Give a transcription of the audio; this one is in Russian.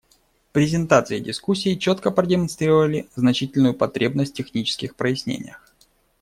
Презентации и дискуссии четко продемонстрировали значительную потребность в технических прояснениях.